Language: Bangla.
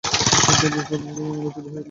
আশঙ্কায় বিপ্রদাসের মন ব্যথিত হয়ে উঠল।